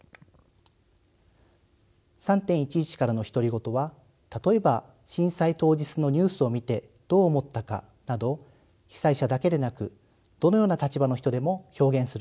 「３．１１からの独り言」は例えば震災当日のニュースを見てどう思ったかなど被災者だけでなくどのような立場の人でも表現することができます。